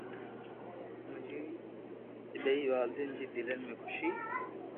منهنجي ٻنهي والدين جي دلين ۾ خوشي